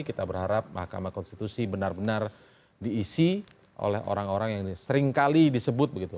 kita berharap mahkamah konstitusi benar benar diisi oleh orang orang yang seringkali disebut begitu